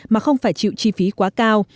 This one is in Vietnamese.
mà không phải chịu chi phí quá cao